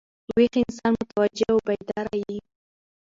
ویښ انسان متوجه او بیداره يي.